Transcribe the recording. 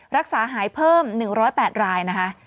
รักษาหายเพิ่ม๑๐๘รายนะคะ